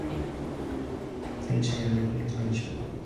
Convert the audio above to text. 김첨지는 연해 코를 들이마시며